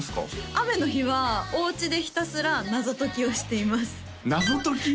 雨の日はお家でひたすら謎解きをしています謎解き！？